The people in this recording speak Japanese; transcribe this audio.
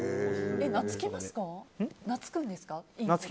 なつくんですか？